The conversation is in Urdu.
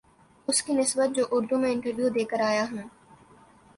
اس کی نسبت جو اردو میں انٹرویو دے کر آ یا ہو